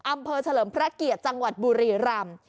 อำเภอเฉลิมพระเกียจจังหวัดบุรีราม